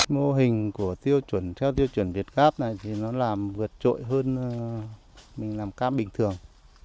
mô hình theo tiêu chuẩn việt gáp này thì nó làm vượt trội hơn mình làm cam bình thường